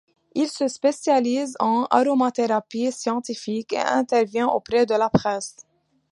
Il se spécialise en aromathérapie scientifique et intervient auprès de la presse.